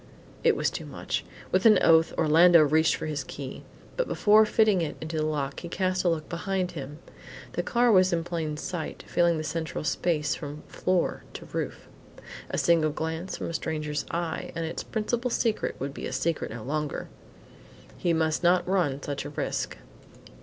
It was too much. With an oath, Orlando reached for his key. But before fitting it into the lock, he cast a look behind him. The car was in plain sight, filling the central space from floor to roof. A single glance from a stranger's eye, and its principal secret would be a secret no longer. He must not run such a risk.